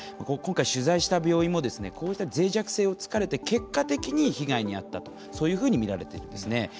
今回取材した病院もこうしたぜい弱性をつかれて結果的に被害に遭ったとそういうふうにみられているんですね。